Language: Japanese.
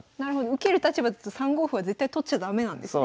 受ける立場だと３五歩は絶対取っちゃ駄目なんですね。